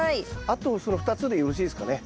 あとその２つでよろしいですかね？